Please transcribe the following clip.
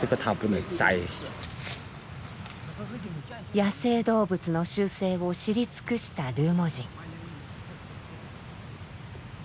野生動物の習性を知り尽くしたルーモ人。